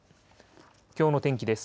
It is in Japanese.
きょうの天気です。